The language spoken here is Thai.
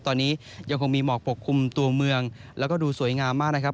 ตอนนี้ยังคงมีหมอกปกคลุมตัวเมืองแล้วก็ดูสวยงามมากนะครับ